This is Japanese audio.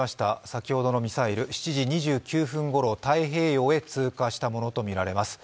先ほどのミサイル７時２９分ごろ、太平洋へ通過したものとみられます。